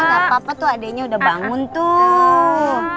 nggak apa apa tuh adeknya udah bangun tuh